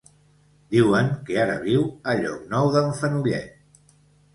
Diuen que ara viu a Llocnou d'en Fenollet.